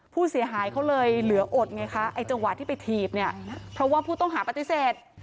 เพราะว่าผู้ต้องหาปฏิเสธ